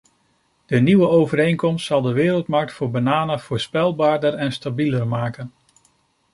De nieuwe overeenkomst zal de wereldmarkt voor bananen voorspelbaarder en stabieler maken.